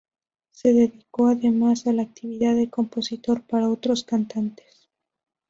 Se dedicó además a la actividad de compositor para otros cantantes.